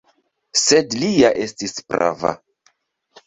Sed li ja estis prava.